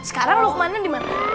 sekarang lukman nya di mana